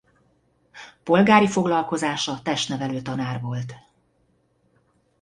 Polgári foglalkozása testnevelő tanár volt.